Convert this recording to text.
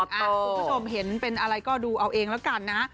คุณผู้ชมเห็นเป็นอะไรก็ดูเอาเองแล้วกันนะ